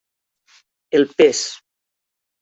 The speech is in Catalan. El pes.